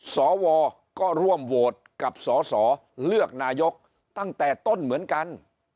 สวก็ร่วมโหวตกับสสเลือกนายกตั้งแต่ต้นเหมือนกัน